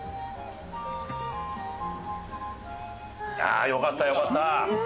ああよかったよかった。